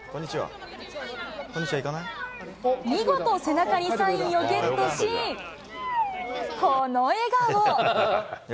見事、背中にサインをゲットし、この笑顔。